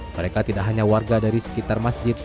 mereka tidak hanya warga dari sekitar masjid